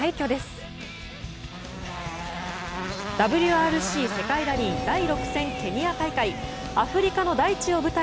ＷＲＣ・世界ラリー第６戦ケニア大会。